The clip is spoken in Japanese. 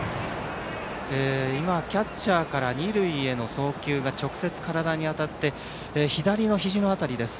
キャッチャーから二塁への送球が直接、体に当たって左のひじの辺りです。